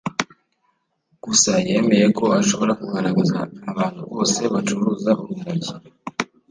Gusa yemeye ko ashobora kuzagaragaza abantu bose bacuruza urumogi